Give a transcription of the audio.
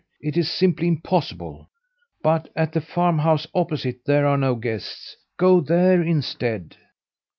It is simply impossible. But at the farm house opposite there are no guests. Go there instead."